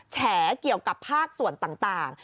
แฉเกี่ยวกับภาคส่วนต่าง